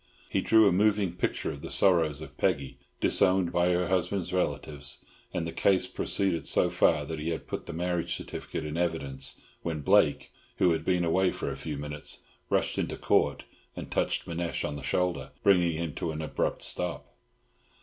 He drew a moving picture of the sorrows of Peggy, disowned by her husband's relatives and the case proceeded so far that he had put the marriage certificate in evidence when Blake, who had been away for a few minutes rushed into Court and touched Manasseh on the shoulder, bringing him to an abrupt stop.